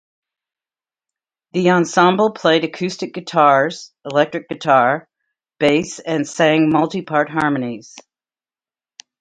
The ensemble played acoustic guitars, electric guitar and bass and sang multi-part harmonies.